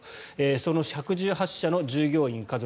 その１１８社の従業員、家族